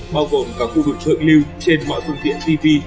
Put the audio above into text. bao gồm cả khu vực trợ lưu trên mọi phương tiện tv